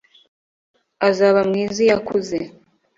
Azaba mwiza iyo akuze.